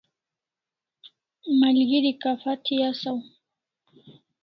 Malgeri kapha thi asaw